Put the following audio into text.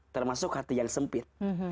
termasuk hati yang sempit